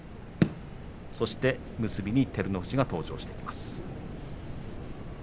そしてこのあと照ノ富士が登場してきます。